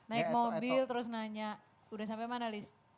naik mobil terus nanya udah sampai mana list